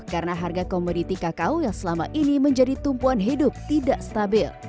karena harga komoditi kakao yang selama ini menjadi tumpuan hidup tidak stabil